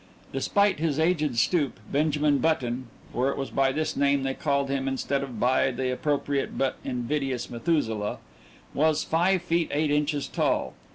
Despite his aged stoop, Benjamin Button for it was by this name they called him instead of by the appropriate but invidious Methuselah was five feet eight inches tall.